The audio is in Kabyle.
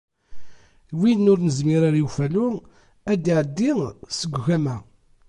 Win ur nezmir i ufalu ad d-iεeddi seg ugama.